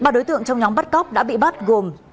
ba đối tượng trong nhóm bắt cóc đã bị bắt gồm